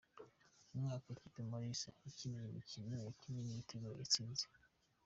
Umwaka, ikipe Mulisa yakiniye, imikino yakinnye n’ibitego yatsinze:.